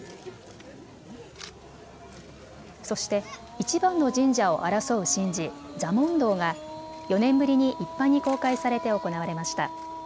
そしていちばんの神社を争う神事、座問答が４年ぶりに一般に公開されて行われました。